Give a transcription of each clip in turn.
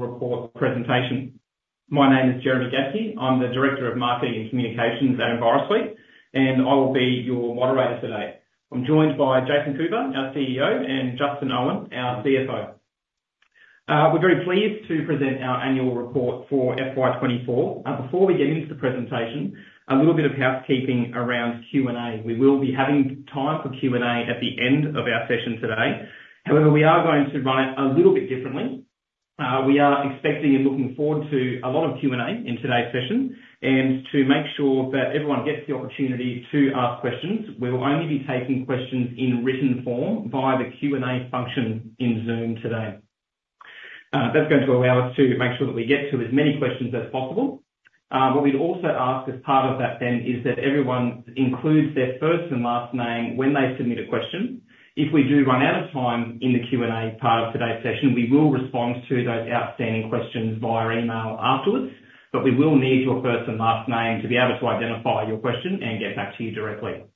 report presentation. My name is Jeremy Gaske. I'm the Director of Marketing and Communications at Envirosuite, and I will be your moderator today. I'm joined by Jason Cooper, our CEO, and Justin Owen, our CFO. We're very pleased to present our annual report for FY twenty-four. Before we get into the presentation, a little bit of housekeeping around Q&A. We will be having time for Q&A at the end of our session today. However, we are going to run it a little bit differently. We are expecting and looking forward to a lot of Q&A in today's session, and to make sure that everyone gets the opportunity to ask questions, we will only be taking questions in written form via the Q&A function in Zoom today. That's going to allow us to make sure that we get to as many questions as possible. What we'd also ask as part of that then, is that everyone includes their first and last name when they submit a question. If we do run out of time in the Q&A part of today's session, we will respond to those outstanding questions via email afterwards, but we will need your first and last name to be able to identify your question and get back to you directly.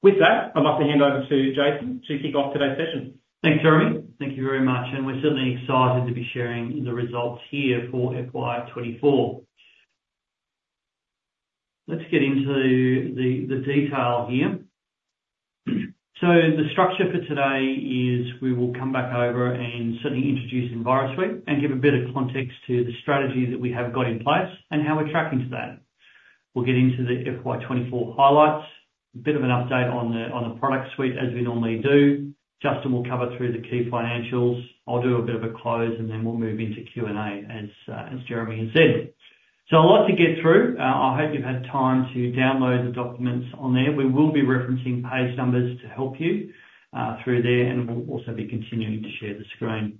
With that, I'd like to hand over to Jason to kick off today's session. Thanks, Jeremy. Thank you very much, and we're certainly excited to be sharing the results here for FY 2024. Let's get into the detail here. The structure for today is, we will come back over and certainly introduce Envirosuite and give a bit of context to the strategy that we have got in place and how we're tracking to that. We'll get into the FY 2024 highlights, a bit of an update on the product suite, as we normally do. Justin will cover through the key financials. I'll do a bit of a close, and then we'll move into Q&A, as Jeremy has said. So a lot to get through. I hope you've had time to download the documents on there. We will be referencing page numbers to help you through there, and we'll also be continuing to share the screen.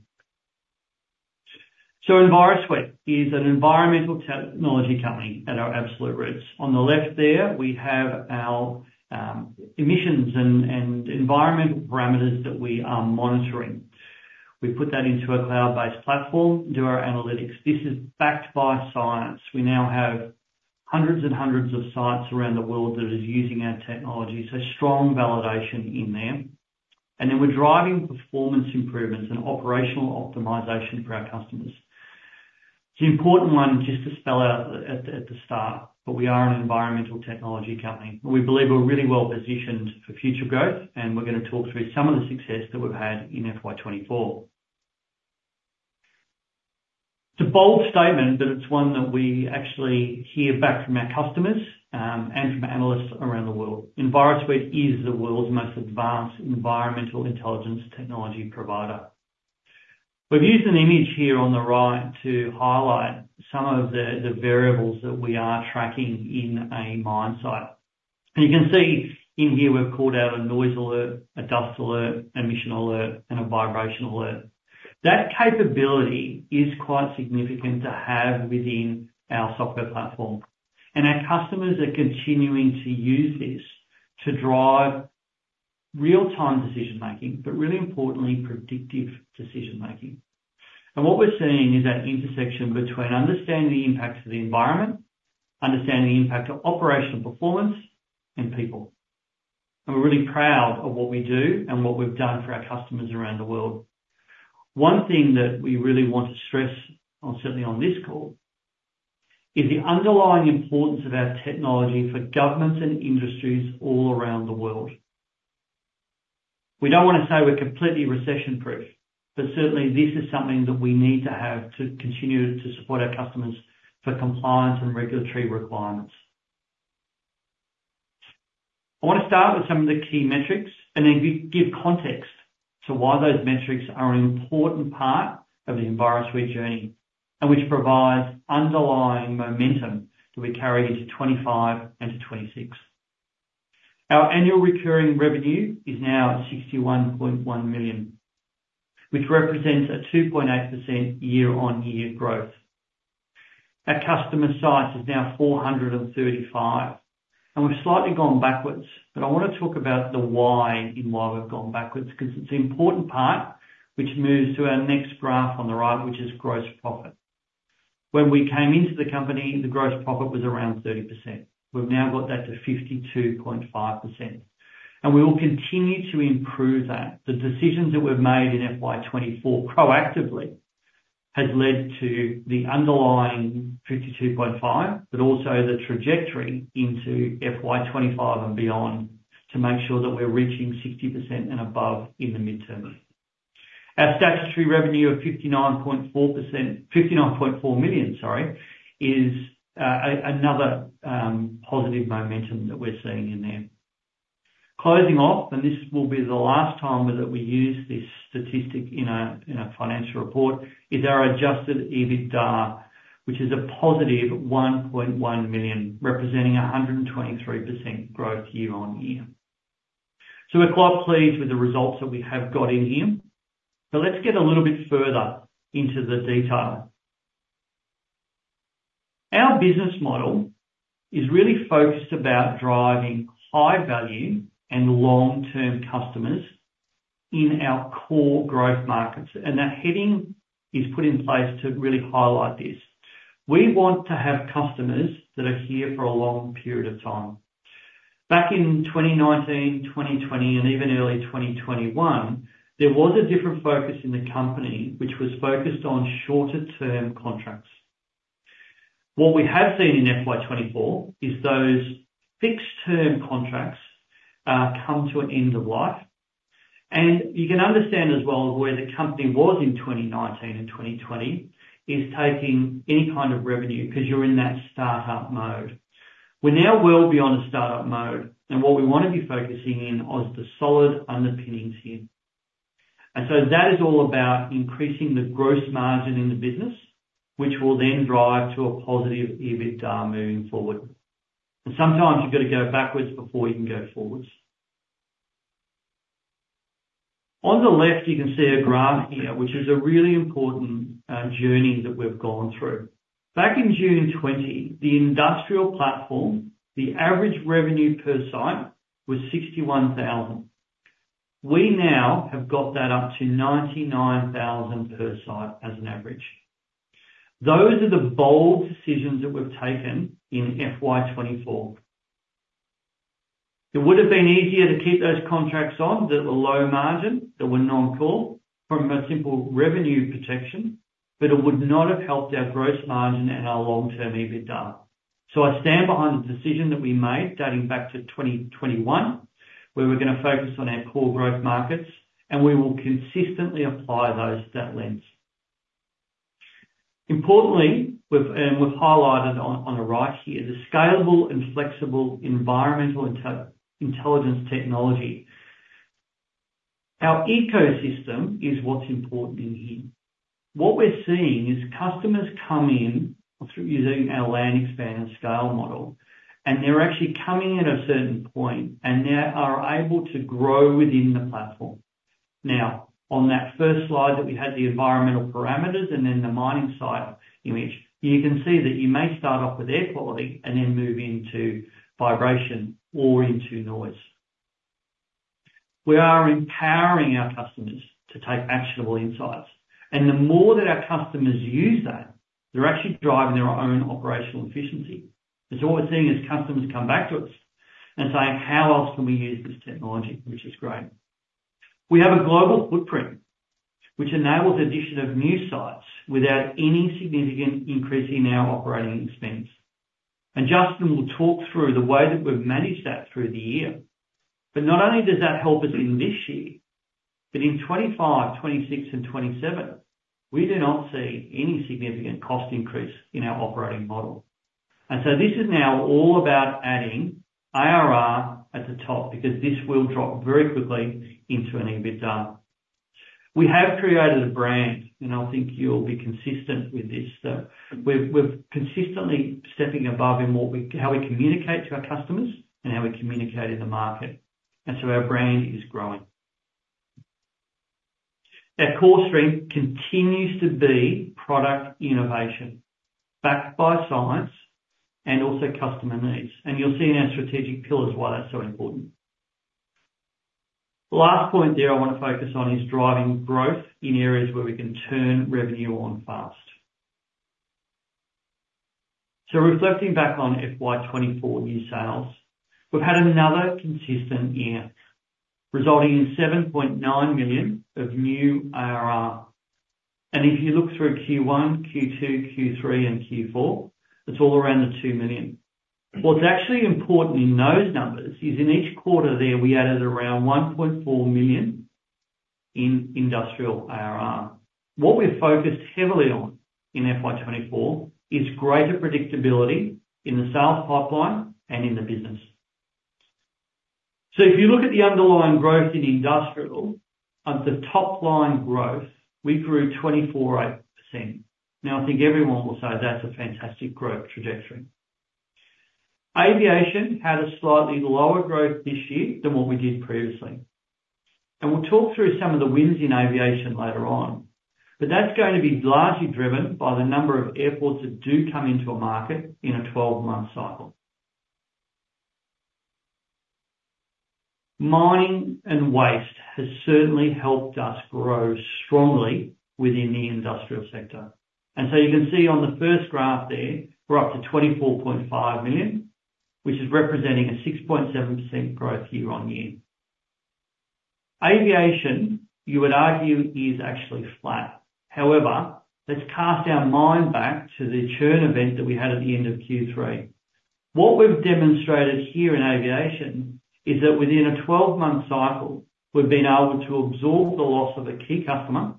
Envirosuite is an environmental technology company at our absolute roots. On the left there, we have our emissions and environmental parameters that we are monitoring. We put that into a cloud-based platform, do our analytics. This is backed by science. We now have hundreds and hundreds of sites around the world that are using our technology, so strong validation in there. Then we're driving performance improvements and operational optimization for our customers. It's an important one just to spell out at the start, but we are an environmental technology company, and we believe we're really well positioned for future growth, and we're gonna talk through some of the success that we've had in FY 2024. It's a bold statement, but it's one that we actually hear back from our customers and from analysts around the world. Envirosuite is the world's most advanced environmental intelligence technology provider. We've used an image here on the right to highlight some of the variables that we are tracking in a mine site. And you can see in here, we've called out a noise alert, a dust alert, emission alert, and a vibration alert. That capability is quite significant to have within our software platform, and our customers are continuing to use this to drive real-time decision-making, but really importantly, predictive decision-making. And what we're seeing is that intersection between understanding the impacts of the environment, understanding the impact of operational performance and people, and we're really proud of what we do and what we've done for our customers around the world. One thing that we really want to stress on, certainly on this call, is the underlying importance of our technology for governments and industries all around the world. We don't want to say we're completely recession-proof, but certainly, this is something that we need to have to continue to support our customers for compliance and regulatory requirements. I want to start with some of the key metrics and then give context to why those metrics are an important part of the Envirosuite journey, and which provides underlying momentum to be carried into 2025 and to 2026. Our annual recurring revenue is now at 61.1 million, which represents a 2.8% year-on-year growth. Our customer size is now 435, and we've slightly gone backwards, but I want to talk about the why in why we've gone backwards, because it's an important part, which moves to our next graph on the right, which is gross profit. When we came into the company, the gross profit was around 30%. We've now got that to 52.5%, and we will continue to improve that. The decisions that we've made in FY24 proactively have led to the underlying 52.5%, but also the trajectory into FY25 and beyond, to make sure that we're reaching 60% and above in the midterm. Our statutory revenue of 59.4%, 59.4 million, sorry, is another positive momentum that we're seeing in there. Closing off, and this will be the last time that we use this statistic in a financial report, is our Adjusted EBITDA, which is a positive 1.1 million, representing 123% growth year on year. We're quite pleased with the results that we have got in here, but let's get a little bit further into the detail. Our business model is really focused about driving high value and long-term customers in our core growth markets, and that heading is put in place to really highlight this. We want to have customers that are here for a long period of time. Back in 2019, 2020, and even early 2021, there was a different focus in the company, which was focused on shorter-term contracts. What we have seen in FY24 is those fixed-term contracts come to an end of life, and you can understand as well, where the company was in 2019 and 2020, is taking any kind of revenue, because you're in that startup mode. We're now well beyond the startup mode, and what we want to be focusing in on is the solid underpinnings here. And so that is all about increasing the gross margin in the business, which will then drive to a positive EBITDA moving forward. And sometimes you've got to go backwards before you can go forwards. On the left, you can see a graph here, which is a really important journey that we've gone through. Back in June 2020, the industrial platform, the average revenue per site was 61,000. We now have got that up to 99,000 per site as an average. Those are the bold decisions that we've taken in FY 2024. It would have been easier to keep those contracts on, that were low margin, that were non-core, from a simple revenue protection, but it would not have helped our gross margin and our long-term EBITDA. So I stand behind the decision that we made, dating back to twenty twenty-one, where we're gonna focus on our core growth markets, and we will consistently apply those, that lens. Importantly, we've highlighted on the right here, the scalable and flexible environmental intelligence technology. Our ecosystem is what's important in here. What we're seeing is customers come in through using our land expand and scale model, and they're actually coming in at a certain point, and they are able to grow within the platform. Now, on that first slide that we had the environmental parameters and then the mining site image, you can see that you may start off with air quality and then move into vibration or into noise. We are empowering our customers to take actionable insights, and the more that our customers use that, they're actually driving their own operational efficiency. And so what we're seeing is customers come back to us and saying: How else can we use this technology? Which is great. We have a global footprint, which enables addition of new sites without any significant increase in our operating expense. And Justin will talk through the way that we've managed that through the year. But not only does that help us in this year, but in 2025, 2026, and 2027, we do not see any significant cost increase in our operating model. And so this is now all about adding ARR at the top, because this will drop very quickly into an EBITDA. We have created a brand, and I think you'll be consistent with this. So we've consistently stepping above in how we communicate to our customers and how we communicate in the market, and so our brand is growing. Our core strength continues to be product innovation, backed by science and also customer needs, and you'll see in our strategic pillars why that's so important. The last point there I want to focus on is driving growth in areas where we can turn revenue on fast. So reflecting back on FY24 new sales, we've had another consistent year, resulting in 7.9 million of new ARR. And if you look through Q1, Q2, Q3, and Q4, it's all around the 2 million. What's actually important in those numbers is in each quarter there, we added around 1.4 million in industrial ARR. What we've focused heavily on in FY24 is greater predictability in the sales pipeline and in the business. So if you look at the underlying growth in industrial, the top line growth, we grew 24.8%. Now, I think everyone will say that's a fantastic growth trajectory. Aviation had a slightly lower growth this year than what we did previously, and we'll talk through some of the wins in aviation later on, but that's going to be largely driven by the number of airports that do come into a market in a twelve-month cycle. Mining and waste has certainly helped us grow strongly within the industrial sector, and so you can see on the first graph there, we're up to 24.5 million, which is representing a 6.7% growth year on year. Aviation, you would argue, is actually flat. However, let's cast our mind back to the churn event that we had at the end of Q3. What we've demonstrated here in aviation is that within a 12-month cycle, we've been able to absorb the loss of a key customer,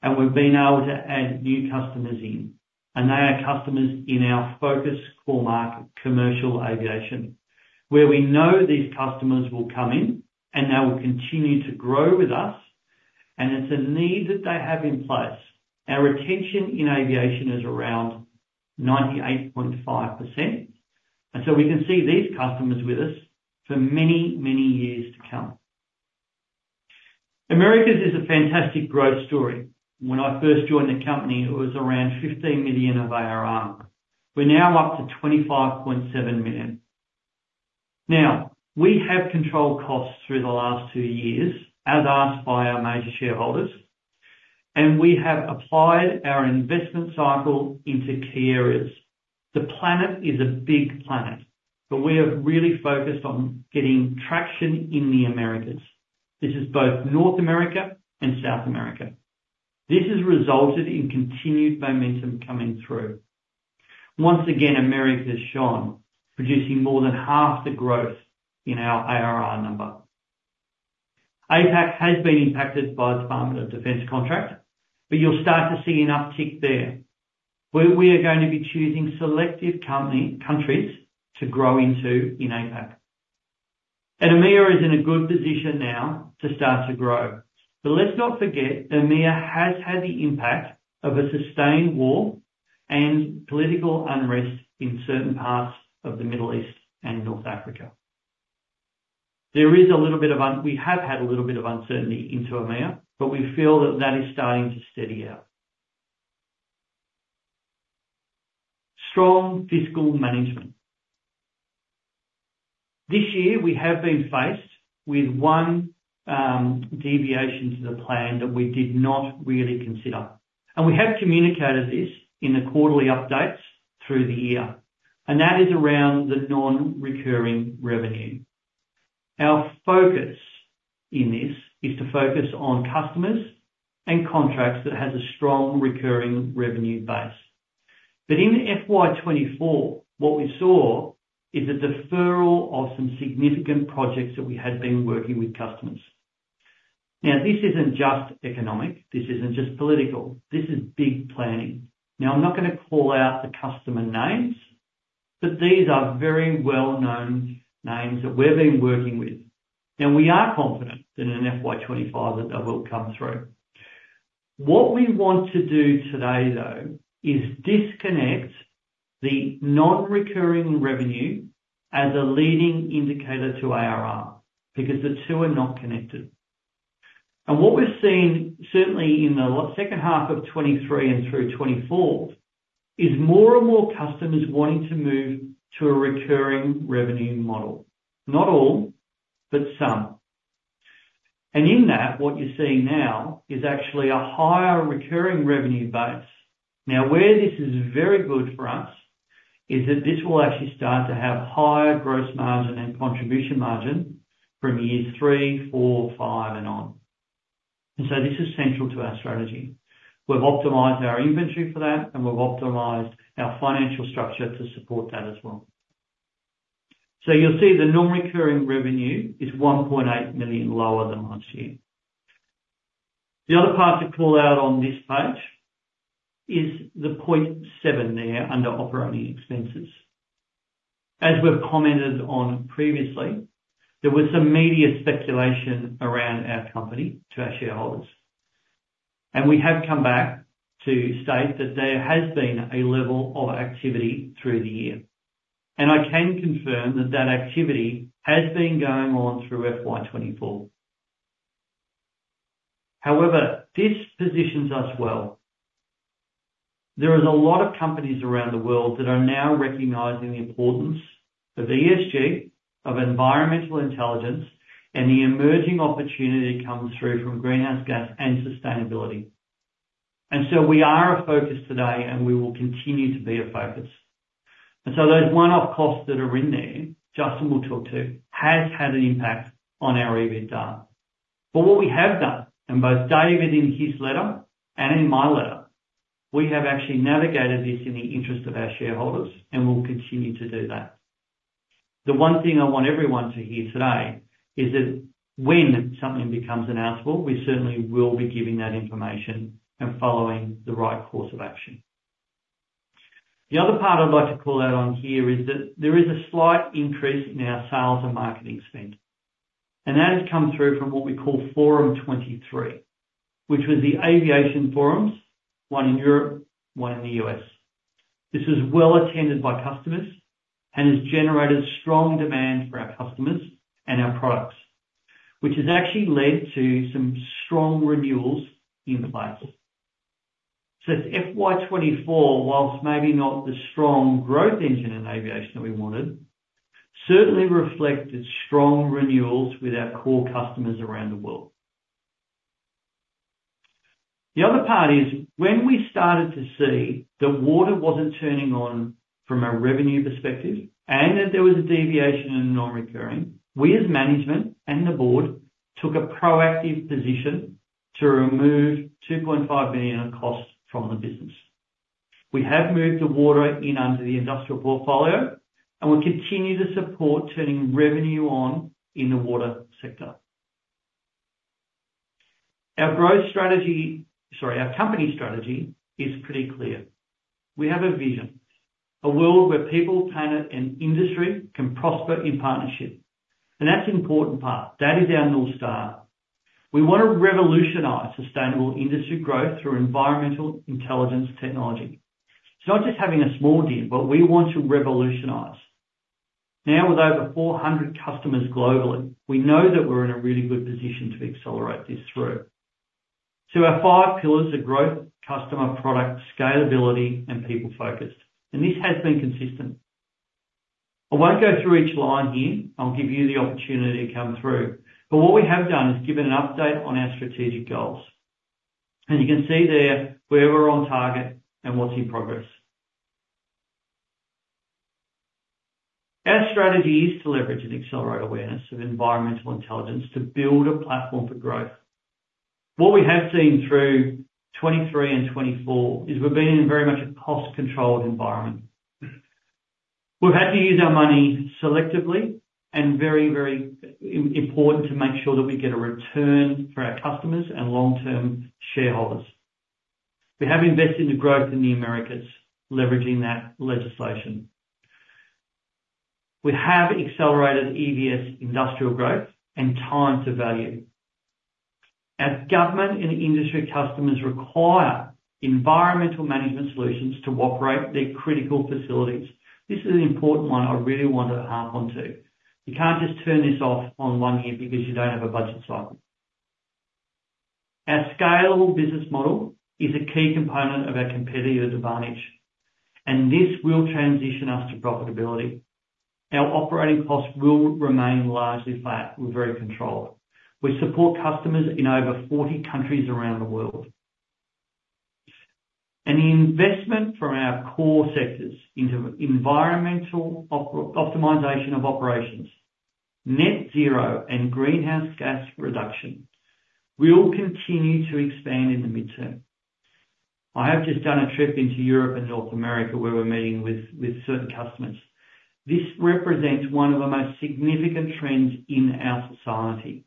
and we've been able to add new customers in, and they are customers in our focus core market, commercial aviation. Where we know these customers will come in, and they will continue to grow with us, and it's a need that they have in place. Our retention in aviation is around 98.5%, and so we can see these customers with us for many, many years to come. Americas is a fantastic growth story. When I first joined the company, it was around 15 million of ARR. We're now up to 25.7 million. Now, we have controlled costs through the last two years, as asked by our major shareholders. And we have applied our investment cycle into key areas. The planet is a big planet, but we have really focused on getting traction in the Americas. This is both North America and South America. This has resulted in continued momentum coming through. Once again, Americas shone, producing more than half the growth in our ARR number. APAC has been impacted by the Department of Defence contract, but you'll start to see an uptick there, where we are going to be choosing selective countries to grow into in APAC. And EMEA is in a good position now to start to grow. But let's not forget that EMEA has had the impact of a sustained war and political unrest in certain parts of the Middle East and North Africa. We have had a little bit of uncertainty into EMEA, but we feel that that is starting to steady out. Strong fiscal management. This year, we have been faced with one deviation to the plan that we did not really consider, and we have communicated this in the quarterly updates through the year, and that is around the non-recurring revenue. Our focus in this is to focus on customers and contracts that has a strong recurring revenue base. But in FY 2024, what we saw is a deferral of some significant projects that we had been working with customers. Now, this isn't just economic, this isn't just political, this is big planning. Now, I'm not gonna call out the customer names, but these are very well-known names that we've been working with. And we are confident that in FY 2025, that they will come through. What we want to do today, though, is disconnect the non-recurring revenue as a leading indicator to ARR, because the two are not connected. What we're seeing, certainly in the second half of 2023 and through 2024, is more and more customers wanting to move to a recurring revenue model. Not all, but some. And in that, what you're seeing now is actually a higher recurring revenue base. Now, where this is very good for us is that this will actually start to have higher gross margin and contribution margin from years three, four, five, and on. And so this is central to our strategy. We've optimized our inventory for that, and we've optimized our financial structure to support that as well. So you'll see the non-recurring revenue is 1.8 million lower than last year. The other part to call out on this page is the point seven there under operating expenses. As we've commented on previously, there was some media speculation around our company to our shareholders, and we have come back to state that there has been a level of activity through the year, and I can confirm that that activity has been going on through FY24. However, this positions us well. There is a lot of companies around the world that are now recognizing the importance of ESG, of environmental intelligence, and the emerging opportunity coming through from greenhouse gas and sustainability, and so we are a focus today, and we will continue to be a focus. And so those one-off costs that are in there, Justin will talk to, has had an impact on our EBITDA. But what we have done, and both David in his letter and in my letter, we have actually navigated this in the interest of our shareholders, and we'll continue to do that. The one thing I want everyone to hear today is that when something becomes announceable, we certainly will be giving that information and following the right course of action. The other part I'd like to call out on here is that there is a slight increase in our sales and marketing spend, and that has come through from what we call Forum 23, which was the aviation forums, one in Europe, one in the US. This was well attended by customers and has generated strong demand for our customers and our products, which has actually led to some strong renewals in the pipeline. FY24, while maybe not the strong growth engine in aviation that we wanted, certainly reflected strong renewals with our core customers around the world. The other part is, when we started to see that water wasn't turning on from a revenue perspective and that there was a deviation in the non-recurring, we, as management and the board, took a proactive position to remove 2.5 billion of costs from the business. We have moved the water in under the industrial portfolio, and we'll continue to support turning revenue on in the water sector. Our growth strategy. Sorry, our company strategy is pretty clear. We have a vision: a world where people, planet, and industry can prosper in partnership, and that's the important part. That is our North Star. We want to revolutionize sustainable industry growth through environmental intelligence technology. It's not just having a small deal, but we want to revolutionize. Now, with over 400 customers globally, we know that we're in a really good position to accelerate this through. So our five pillars are growth, customer, product, scalability, and people-focused, and this has been consistent. I won't go through each line here. I'll give you the opportunity to come through, but what we have done is given an update on our strategic goals, and you can see there where we're on target and what's in progress. Our strategy is to leverage and accelerate awareness of environmental intelligence to build a platform for growth. What we have seen through 2023 and 2024 is we've been in very much a cost-controlled environment. We've had to use our money selectively and very, very important to make sure that we get a return for our customers and long-term shareholders. We have invested in the growth in the Americas, leveraging that legislation. We have accelerated EVS Industrial growth and time to value. As government and industry customers require environmental management solutions to operate their critical facilities, this is an important one I really want to harp onto. You can't just turn this off on one year because you don't have a budget cycle. Our scalable business model is a key component of our competitive advantage, and this will transition us to profitability. Our operating costs will remain largely flat. We're very controlled. We support customers in over forty countries around the world. And the investment from our core sectors into environmental optimization of operations, net zero, and greenhouse gas reduction will continue to expand in the midterm. I have just done a trip into Europe and North America, where we're meeting with certain customers. This represents one of the most significant trends in our society,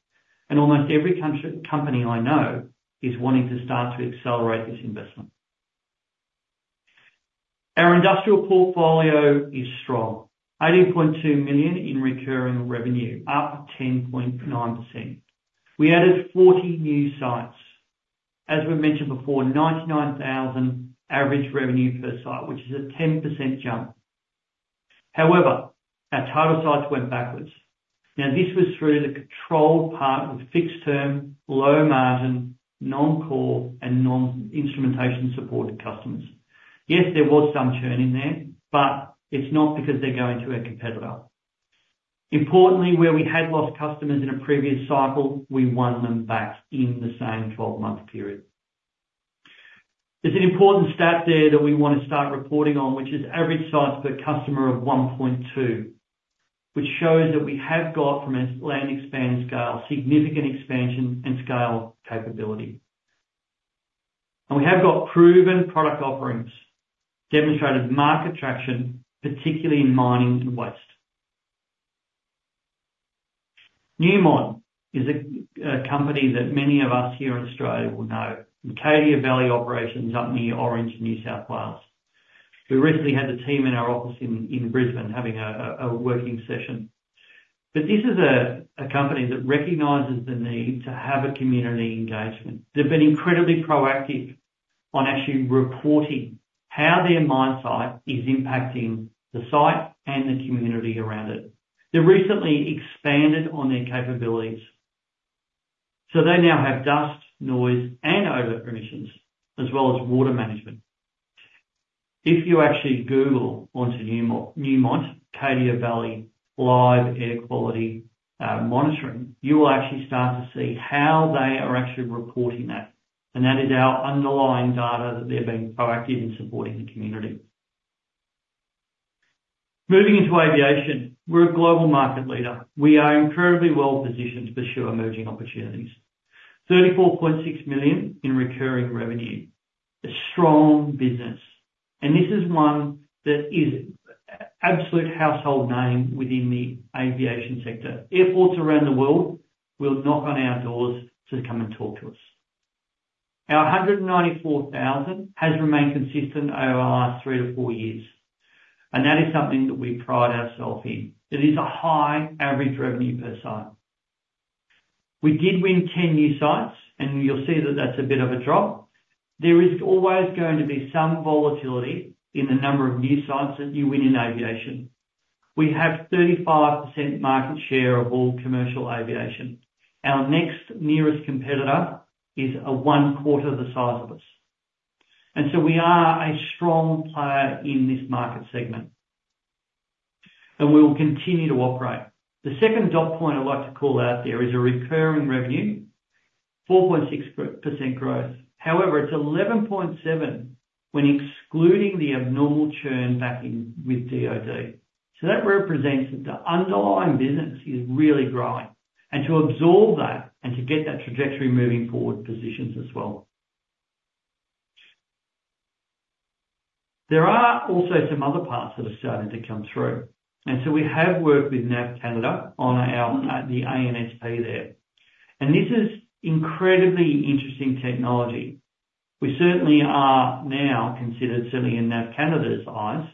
and almost every country, company I know is wanting to start to accelerate this investment. Our industrial portfolio is strong. 80.2 million in recurring revenue, up 10.9%. We added 40 new sites. As we've mentioned before, 99,000 average revenue per site, which is a 10% jump. However, our total sites went backwards. Now, this was through the controlled part with fixed-term, low margin, non-core, and non-instrumentation supported customers. Yes, there was some churn in there, but it's not because they're going to a competitor. Importantly, where we had lost customers in a previous cycle, we won them back in the same 12-month period. There's an important stat there that we want to start reporting on, which is average sites per customer of one point two, which shows that we have got from land, expand, scale significant expansion and scale capability. We have got proven product offerings, demonstrated market traction, particularly in mining and waste. Newmont is a company that many of us here in Australia will know. Cadia Valley Operations up near Orange, New South Wales. We recently had the team in our office in Brisbane having a working session. But this is a company that recognizes the need to have a community engagement. They've been incredibly proactive on actually reporting how their mine site is impacting the site and the community around it. They recently expanded on their capabilities, so they now have dust, noise, and odor permissions, as well as water management. If you actually Google onto Newmont Cadia Valley live air quality monitoring, you will actually start to see how they are actually reporting that, and that is our underlying data, that they're being proactive in supporting the community. Moving into aviation, we're a global market leader. We are incredibly well positioned to pursue emerging opportunities. 34.6 million in recurring revenue. A strong business, and this is one that is absolute household name within the aviation sector. Airports around the world will knock on our doors to come and talk to us. Our 194,000 has remained consistent over the last three to four years, and that is something that we pride ourselves in. It is a high average revenue per site. We did win 10 new sites, and you'll see that that's a bit of a drop. There is always going to be some volatility in the number of new sites that you win in aviation. We have 35% market share of all commercial aviation. Our next nearest competitor is a one quarter the size of us. And so we are a strong player in this market segment, and we will continue to operate. The second dot point I'd like to call out there is a recurring revenue, 4.6% growth. However, it's 11.7% when excluding the abnormal churn back in with DoD. So that represents that the underlying business is really growing, and to absorb that and to get that trajectory moving forward positions as well. There are also some other parts that are starting to come through, and so we have worked with NAV Canada on our, the ANSP there. And this is incredibly interesting technology. We certainly are now considered, certainly in NAV Canada's eyes,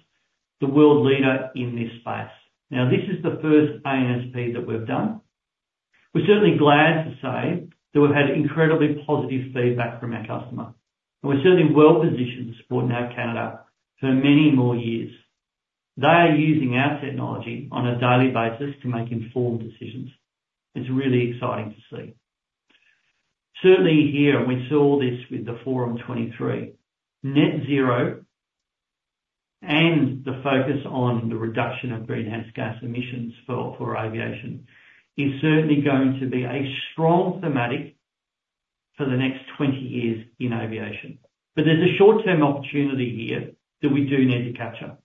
the world leader in this space. Now, this is the first ANSP that we've done. We're certainly glad to say that we've had incredibly positive feedback from our customer, and we're certainly well positioned to support NAV Canada for many more years. They are using our technology on a daily basis to make informed decisions. It's really exciting to see. Certainly here, we saw this with the Forum 2023. Net zero and the focus on the reduction of greenhouse gas emissions for aviation is certainly going to be a strong theme for the next twenty years in aviation. But there's a short-term opportunity here that we do need to capture.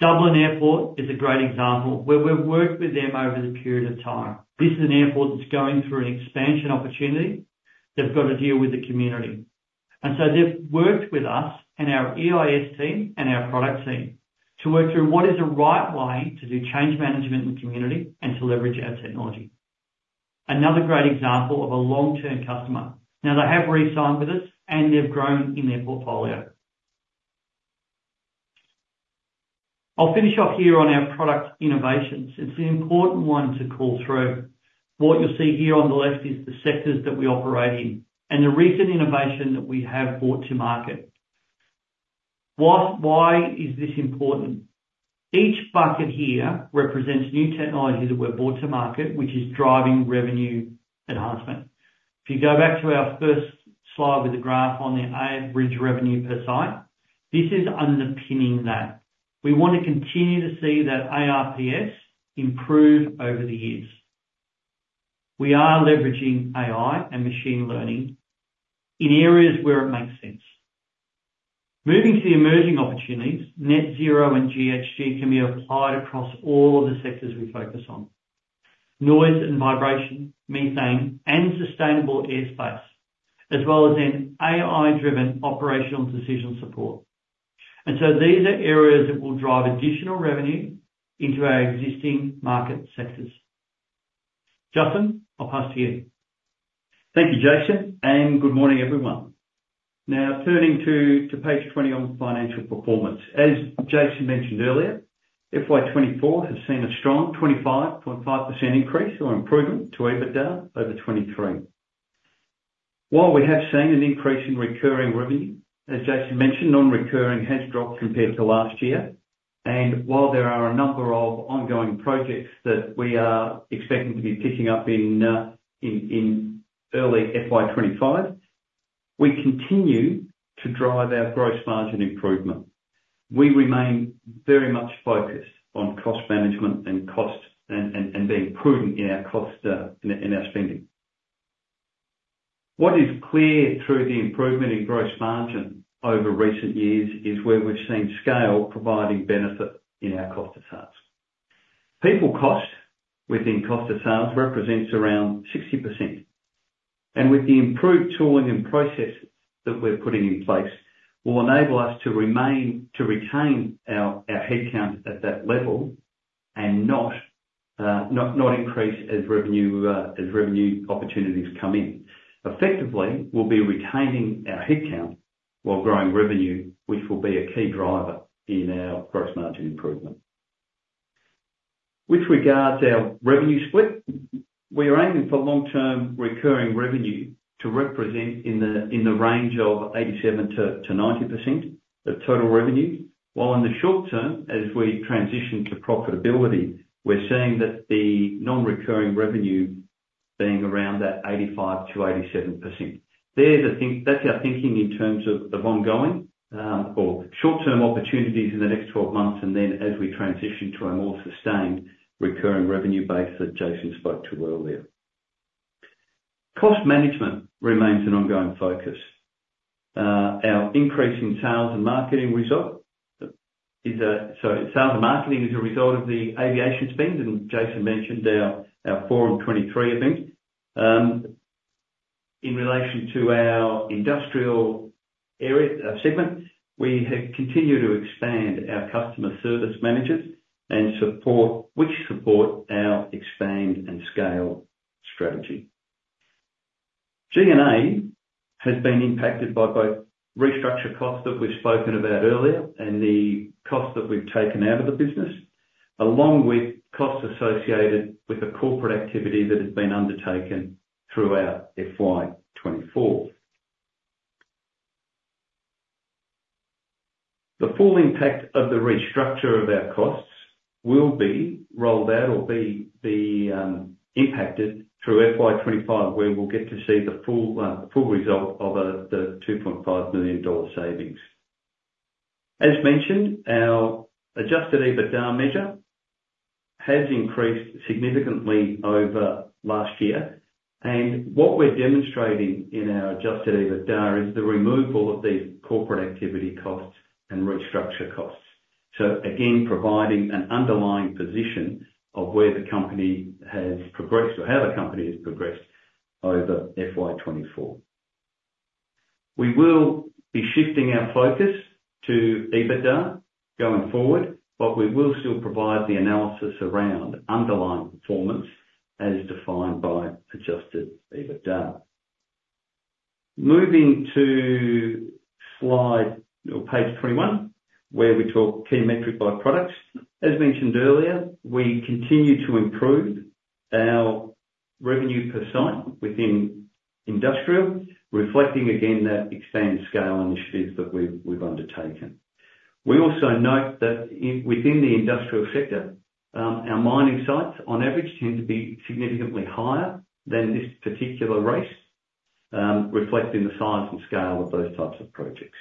Dublin Airport is a great example, where we've worked with them over the period of time. This is an airport that's going through an expansion opportunity. They've got to deal with the community. And so they've worked with us and our EVS team and our product team to work through what is the right way to do change management in the community and to leverage our technology. Another great example of a long-term customer. Now, they have re-signed with us, and they've grown in their portfolio. I'll finish off here on our product innovations. It's an important one to call through. What you'll see here on the left is the sectors that we operate in, and the recent innovation that we have brought to market. Why is this important? Each bucket here represents new technology that we've brought to market, which is driving revenue enhancement. If you go back to our first slide with the graph on the average revenue per site, this is underpinning that. We want to continue to see that ARPS improve over the years. We are leveraging AI and machine learning in areas where it makes sense. Moving to the emerging opportunities, Net Zero and GHG can be applied across all of the sectors we focus on. Noise and vibration, methane, and sustainable airspace, as well as an AI-driven operational decision support. And so these are areas that will drive additional revenue into our existing market sectors. Justin, I'll pass to you. Thank you, Jason, and good morning, everyone. Now, turning to page 20 on financial performance. As Jason mentioned earlier, FY 2024 has seen a strong 25.5% increase or improvement to EBITDA over 2023. While we have seen an increase in recurring revenue, as Jason mentioned, non-recurring has dropped compared to last year, and while there are a number of ongoing projects that we are expecting to be picking up in early FY 2025, we continue to drive our gross margin improvement. We remain very much focused on cost management and being prudent in our spending. What is clear through the improvement in gross margin over recent years is where we've seen scale providing benefit in our cost of sales. People cost within cost of sales represents around 60%, and with the improved tooling and processes that we're putting in place, will enable us to retain our headcount at that level and not increase as revenue opportunities come in. Effectively, we'll be retaining our headcount while growing revenue, which will be a key driver in our gross margin improvement. With regards to our revenue split, we are aiming for long-term recurring revenue to represent in the range of 87%-90% of total revenue. While in the short term, as we transition to profitability, we're seeing that the non-recurring revenue being around that 85%-87%. That's our thinking in terms of of ongoing or short-term opportunities in the next twelve months, and then as we transition to a more sustained recurring revenue base that Jason spoke to earlier. Cost management remains an ongoing focus. Our increase in sales and marketing result is. So sales and marketing is a result of the aviation spend, and Jason mentioned our Forum twenty-three event. In relation to our industrial area, segment, we have continued to expand our customer service managers and support, which support our expand and scale strategy. G&A has been impacted by both restructure costs that we've spoken about earlier and the costs that we've taken out of the business, along with costs associated with the corporate activity that has been undertaken throughout FY 2024. The full impact of the restructure of our costs will be rolled out or be impacted through FY 2025, where we'll get to see the full result of the 2.5 million dollar savings. As mentioned, our Adjusted EBITDA measure has increased significantly over last year, and what we're demonstrating in our Adjusted EBITDA is the removal of these corporate activity costs and restructure costs. So again, providing an underlying position of where the company has progressed or how the company has progressed over FY 2024. We will be shifting our focus to EBITDA going forward, but we will still provide the analysis around underlying performance as defined by Adjusted EBITDA. Moving to slide or page 21, where we talk key metric by products. As mentioned earlier, we continue to improve our revenue per site within industrial, reflecting again that expand scale initiatives that we've undertaken. We also note that in within the industrial sector, our mining sites on average tend to be significantly higher than this particular rate, reflecting the size and scale of those types of projects,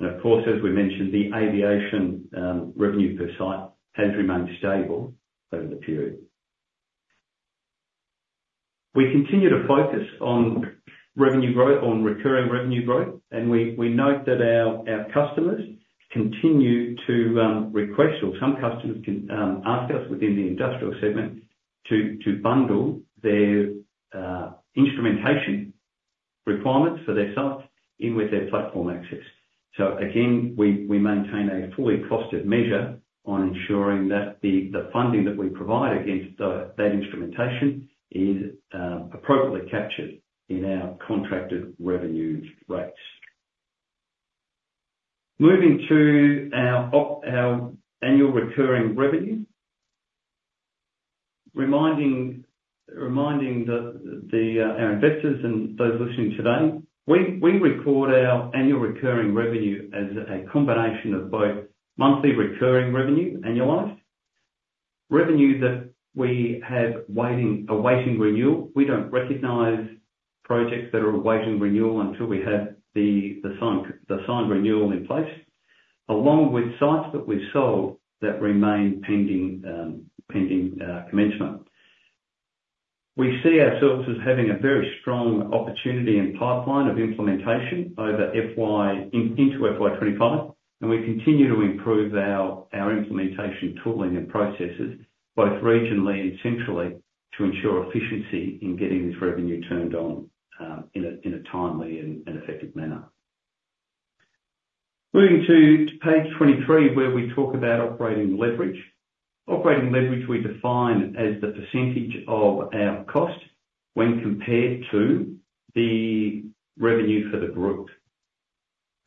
and of course, as we mentioned, the aviation revenue per site has remained stable over the period. We continue to focus on revenue growth, on recurring revenue growth, and we note that our customers continue to request or some customers ask us within the industrial segment to bundle their instrumentation requirements for their sites in with their platform access. So again, we maintain a fully costed measure on ensuring that the funding that we provide against that instrumentation is appropriately captured in our contracted revenue rates. Moving to our annual recurring revenue. Reminding our investors and those listening today, we record our annual recurring revenue as a combination of both monthly recurring revenue, annualized. Revenue that we have awaiting renewal. We don't recognize projects that are awaiting renewal until we have the signed renewal in place, along with sites that we've sold that remain pending, pending commencement. We see ourselves as having a very strong opportunity and pipeline of implementation over FY into FY 25, and we continue to improve our implementation tooling and processes, both regionally and centrally, to ensure efficiency in getting this revenue turned on, in a timely and effective manner. Moving to page 23, where we talk about operating leverage. Operating leverage we define as the percentage of our cost when compared to the revenue for the group.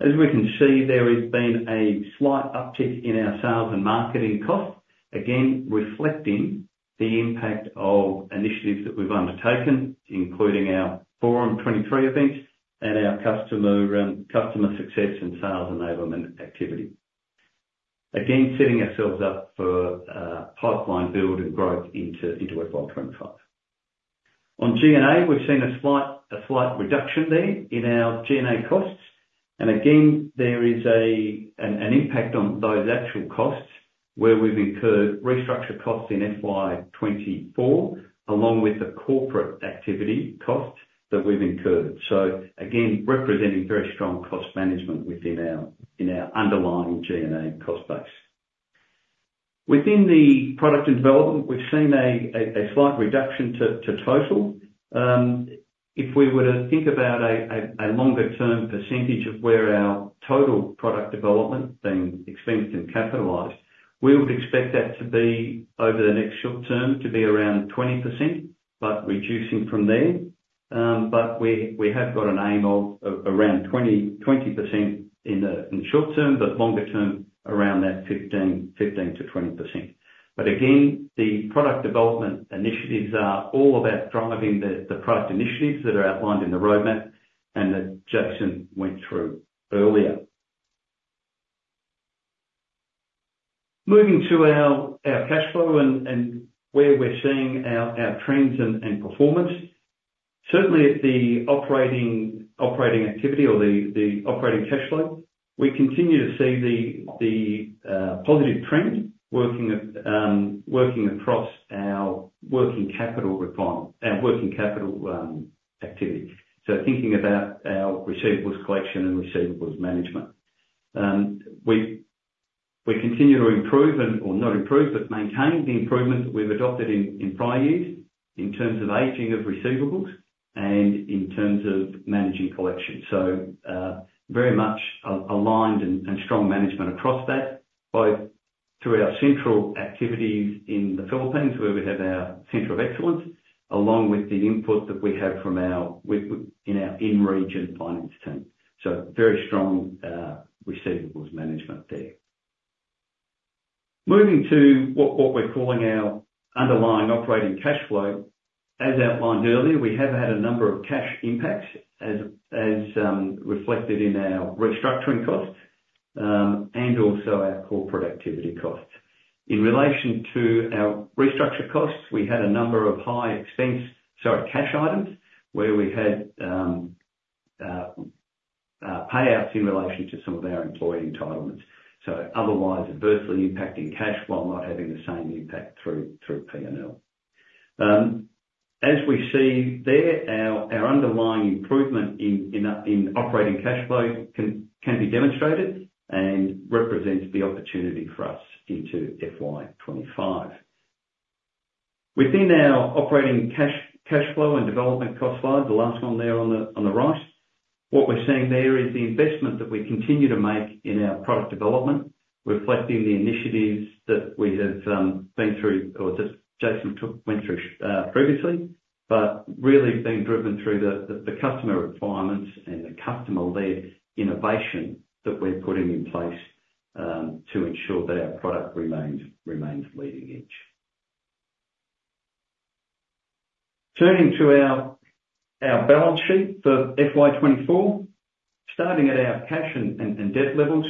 As we can see, there has been a slight uptick in our sales and marketing costs, again, reflecting the impact of initiatives that we've undertaken, including our Forum 23 event and our customer success and sales enablement activity. Again, setting ourselves up for pipeline build and growth into FY 25. On G&A, we've seen a slight reduction there in our G&A costs. And again, there is an impact on those actual costs, where we've incurred restructure costs in FY 2024, along with the corporate activity costs that we've incurred. So again, representing very strong cost management within our underlying G&A cost base. Within product development, we've seen a slight reduction to total. If we were to think about a longer term percentage of where our total product development being expensed and capitalized, we would expect that to be over the next short term, to be around 20%, but reducing from there. But we have got an aim of around 20% in the short term, but longer term, around that 15%-20%. But again, the product development initiatives are all about driving the product initiatives that are outlined in the roadmap and that Jason went through earlier. Moving to our cash flow and where we're seeing our trends and performance. Certainly at the operating activity or the operating cash flow, we continue to see the positive trend working across our working capital requirement, our working capital activity. So thinking about our receivables collection and receivables management. We continue to improve and, or not improve, but maintain the improvements we've adopted in prior years in terms of aging of receivables and in terms of managing collection. So, very much aligned and strong management across that, both through our central activities in the Philippines, where we have our center of excellence, along with the input that we have from our in-region finance team. So very strong receivables management there. Moving to what we're calling our underlying operating cash flow. As outlined earlier, we have had a number of cash impacts reflected in our restructuring costs, and also our core productivity costs. In relation to our restructure costs, we had a number of high expense, sorry, cash items, where we had payouts in relation to some of our employee entitlements. So otherwise, adversely impacting cash flow, while not having the same impact through PNL. As we see there, our underlying improvement in operating cash flow can be demonstrated and represents the opportunity for us into FY25. Within our operating cash flow and development cost slide, the last one there on the right, what we're seeing there is the investment that we continue to make in our product development, reflecting the initiatives that we have been through or that Jason went through previously, but really being driven through the customer requirements and the customer-led innovation that we're putting in place to ensure that our product remains leading edge. Turning to our balance sheet for FY24, starting at our cash and debt levels.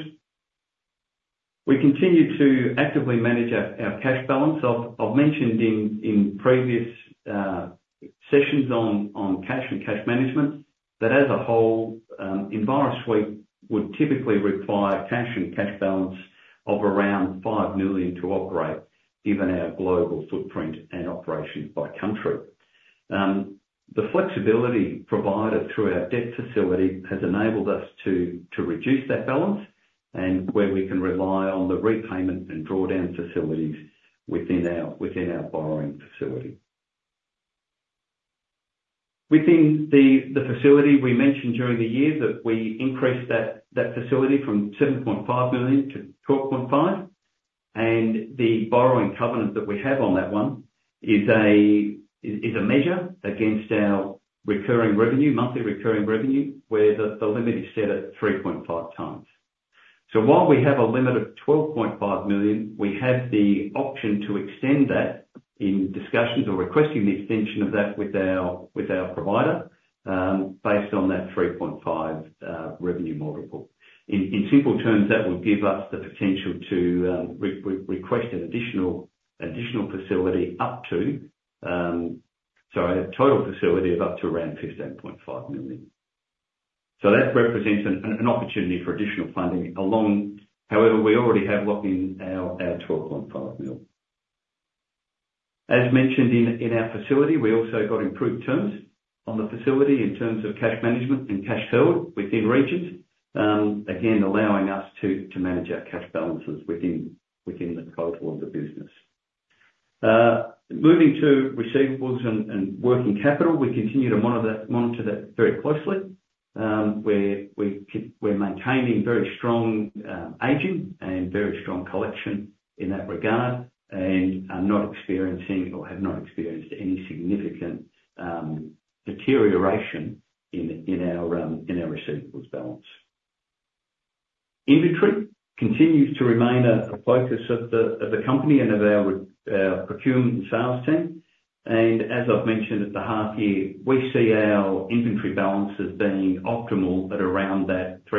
We continue to actively manage our cash balance. I've mentioned in previous sessions on cash and cash management, that as a whole, Envirosuite would typically require cash and cash balance of around 5 million to operate, given our global footprint and operations by country. The flexibility provided through our debt facility has enabled us to reduce that balance, and where we can rely on the repayment and drawdown facilities within our borrowing facility. Within the facility, we mentioned during the year that we increased that facility from 7.5 million to 12.5 million, and the borrowing covenant that we have on that one is a measure against our recurring revenue, monthly recurring revenue, where the limit is set at 3.5 times. So while we have a limit of 12.5 million, we have the option to extend that in discussions or requesting the extension of that with our provider, based on that 3.5 revenue multiple. In simple terms, that would give us the potential to request an additional facility up to. Sorry, a total facility of up to around 15.5 million. So that represents an opportunity for additional funding, however, we already have locked in our 12.5 mil. As mentioned in our facility, we also got improved terms on the facility in terms of cash management and cash flow within regions, again, allowing us to manage our cash balances within the cohort of the business. Moving to receivables and working capital, we continue to monitor that very closely. We're maintaining very strong aging and very strong collection in that regard, and are not experiencing or have not experienced any significant deterioration in our receivables balance. Inventory continues to remain a focus of the company and of our procurement and sales team. As I've mentioned at the half year, we see our inventory balances being optimal at around 3.5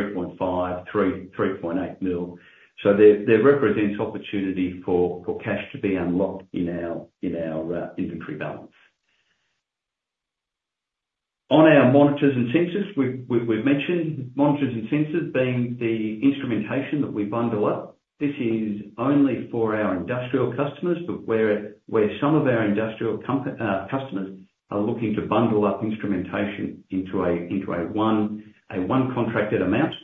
million-3.8 million. So there represents opportunity for cash to be unlocked in our inventory balance. On our monitors and sensors, we've mentioned monitors and sensors being the instrumentation that we bundle up. This is only for our industrial customers, but where some of our industrial company customers are looking to bundle up instrumentation into a one contracted amount